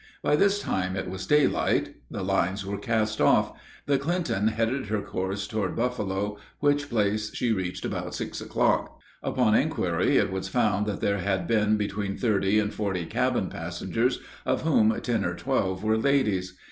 By this time it was daylight. The lines were cast oft. The Clinton headed her course toward Buffalo, which place she reached about six o'clock. Upon inquiry it was found that there had been between thirty and forty cabin passengers, of whom ten or twelve were ladies.